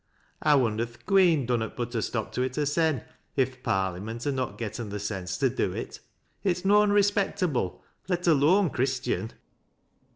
I wonder th' Queen dunnot put a stop to it hersen if th' parlyment ha' not gotten the sense to do it. It's noan respectable, let alone Chris tian."